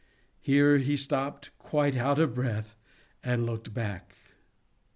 Here he stopped, quite out of breath, and looked back.